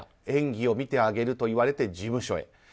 演技を見てあげると言われて事務所へ。